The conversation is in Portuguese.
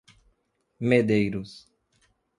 Medeiros